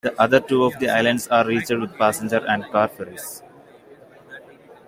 The other two of the islands are reached with passenger and car ferries.